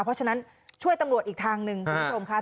เพราะฉะนั้นช่วยตำรวจอีกทางหนึ่งคุณผู้ชมค่ะ